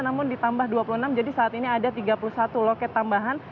namun ditambah dua puluh enam jadi saat ini ada tiga puluh satu loket tambahan